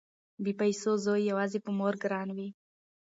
بې پيسو زوی يواځې په مور ګران وي